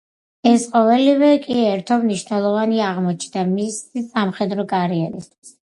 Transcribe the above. ეს ყოველივე კი ერთობ მნიშვნელოვანი აღმოჩნდა მისი სამხედრო კარიერისთვის.